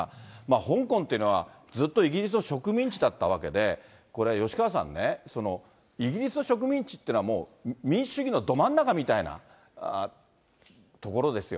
香港というのは、ずっとイギリスの植民地だったわけで、これ、吉川さんね、イギリスの植民地っていうのは民主主義のど真ん中みたいな所ですよ。